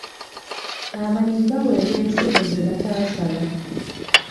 Abalimi baaweebwa ensigo ze bataasaba.